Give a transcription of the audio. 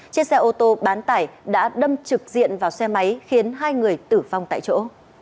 chiếc xe ô tô bán tải đã đâm trực diện vào xe máy khiến hai người tử vong tại chỗ